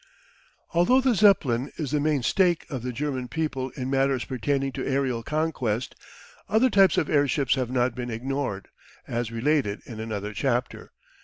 Although the Zeppelin is the main stake of the German people in matters pertaining to aerial conquest, other types of airships have not been ignored, as related in another chapter.